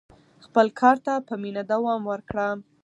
خپل کار ته په مینه دوام ورکړه.